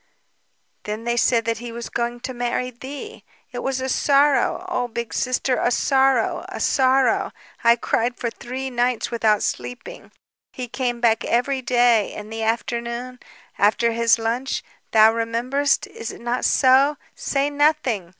"Then they said that he was going to marry thee. It was a sorrow; oh, Big Sister, a sorrow ... a sorrow! I cried for three nights without sleeping. He came back every day, in the afternoon, after his lunch ... thou rememberest, is it not so? Say nothing